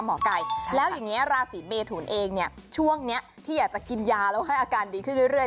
หมอไก่แล้วอย่างนี้ราศีเมทุนเองเนี่ยช่วงนี้ที่อยากจะกินยาแล้วให้อาการดีขึ้นเรื่อย